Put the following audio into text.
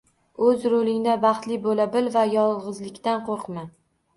O‘z rolingda baxtli bo‘la bil va yolg‘izlikdan qo‘rqma.